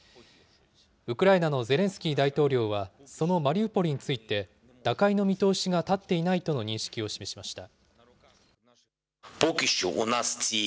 ウクライナのゼレンスキー大統領は、そのマリウポリについて、打開の見通しが立っていないとの認識を示しました。